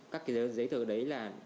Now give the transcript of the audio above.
các giấy tờ đấy là